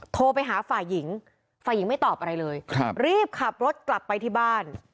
โทรไปหาฝ่ายหญิงฝ่ายหญิงไม่ตอบอะไรเลยครับรีบขับรถกลับไปที่บ้าน